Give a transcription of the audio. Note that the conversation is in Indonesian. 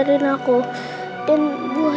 sekarang pasti aura lagi susah